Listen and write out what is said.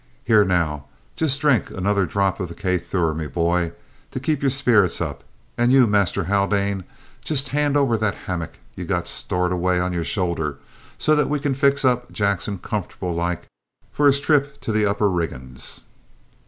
"Here, now, just dhrink another drop of the craythur, me bhoy, to kape yer spirits up, and you, Master Haldane, jist hand over that hammock ye've got storved away on ye shulder, so that we can fix up Jackson comfortable like for his trip to the upper reggins!"